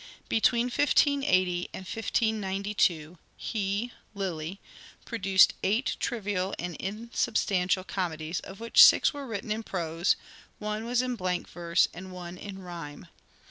"Between 1580 and 1592 he (Lyly) produced eight trivial and insubstantial comedies, of which six were written in prose, one was in blank verse, and one in rhyme.